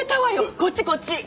こっちこっち！